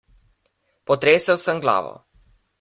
Potresel sem glavo.